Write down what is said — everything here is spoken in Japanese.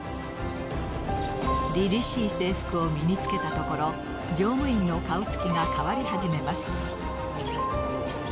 りりしい制服を身につけたところ乗務員の顔つきが変わり始めます。